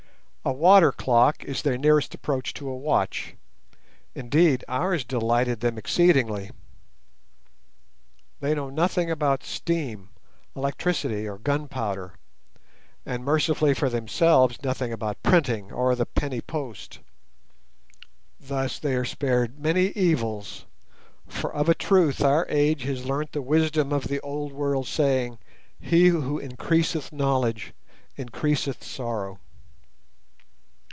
A water clock is their nearest approach to a watch; indeed, ours delighted them exceedingly. They know nothing about steam, electricity, or gunpowder, and mercifully for themselves nothing about printing or the penny post. Thus they are spared many evils, for of a truth our age has learnt the wisdom of the old world saying, "He who increaseth knowledge, increaseth sorrow."